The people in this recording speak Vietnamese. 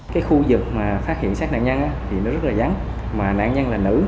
cái khu vực mà phát hiện sát đạn nhân thì nó rất là rắn mà đạn nhân là nữ